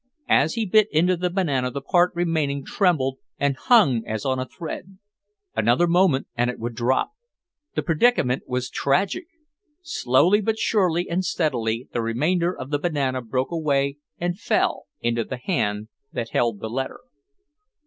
As he bit into the banana the part remaining trembled and hung as on a thread; another moment and it would drop. The predicament was tragic. Slowly, but surely and steadily, the remainder of the banana broke away and fell—into the hand that held the letter.